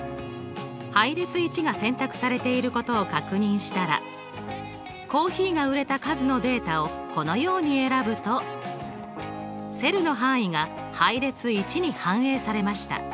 配列１が選択されていることを確認したらコーヒーが売れた数のデータをこのように選ぶとセルの範囲が配列１に反映されました。